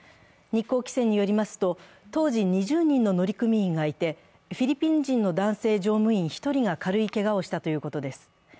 日興汽船によりますと、当時２０人の乗組員がいて、フィリピン人の男性乗務員１人が軽いけがをしたということです。